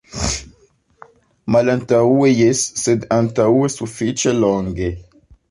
Malantaŭe, jes, sed antaŭe sufiĉe longe.